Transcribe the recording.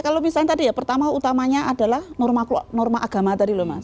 kalau misalnya tadi ya pertama utamanya adalah norma agama tadi loh mas